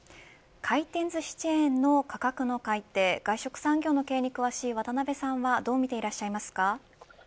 回転寿司チェーンの価格の改定外食産業の経営に詳しい渡辺さんはどう見ていらっしゃいますか。